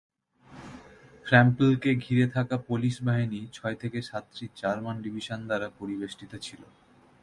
ফ্রাম্পলকে ঘিরে থাকা পোলিশ বাহিনী ছয় থেকে সাতটি জার্মান ডিভিশন দ্বারা পরিবেষ্টিত ছিল।